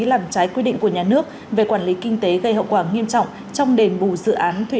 làm trái quy định của nhà nước về quản lý kinh tế gây hậu quả nghiêm trọng trong đền bù dự án thủy